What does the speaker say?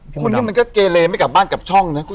คนนี้มันก็เกรเลไม่กลับบ้านกลับช่องเนอะ